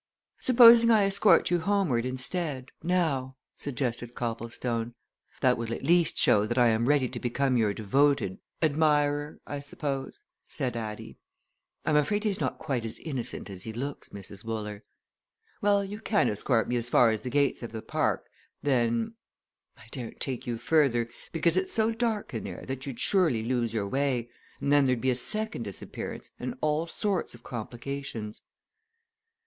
"Supposing I escort you homeward instead now?" suggested Copplestone. "That will at least show that I am ready to become your devoted " "Admirer, I suppose," said Addie. "I'm afraid he's not quite as innocent as he looks, Mrs. Wooler. Well you can escort me as far as the gates of the park, then I daren't take you further, because it's so dark in there that you'd surely lose your way, and then there'd be a second disappearance and all sorts of complications."